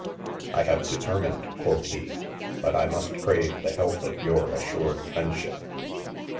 I have determined (quod he) but I must crave the helpe of your assured friendship.